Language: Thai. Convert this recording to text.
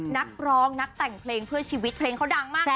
นักร้องนักแต่งเพลงเพื่อชีวิตเพลงเขาดังมากนะ